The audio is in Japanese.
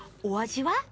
お味は？